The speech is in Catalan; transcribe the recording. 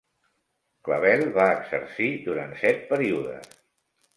Clavelle va exercir durant set períodes.